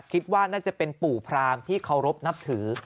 คิดว่าน่าจะเป็นปู่พรามที่เคารพนับถือ